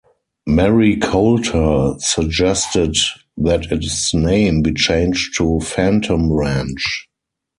Mary Colter suggested that its name be changed to Phantom Ranch.